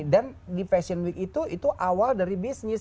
dan di fashion week itu itu awal dari bisnis